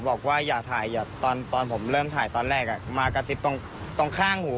บอกว่าอย่าถ่ายอย่าตอนผมเริ่มถ่ายตอนแรกมากระซิบตรงข้างหู